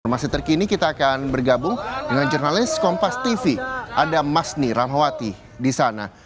informasi terkini kita akan bergabung dengan jurnalis kompas tv ada masni rahmawati di sana